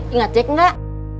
ingat cek gak